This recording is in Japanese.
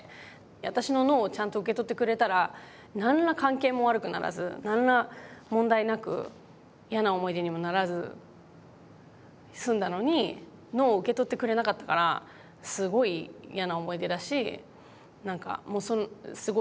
私のＮＯをちゃんと受け取ってくれたら何ら関係も悪くならず何ら問題なく嫌な思い出にもならず済んだのにＮＯを受け取ってくれなかったからすごい嫌な思い出だしなんかもうすごい嫌な人だし。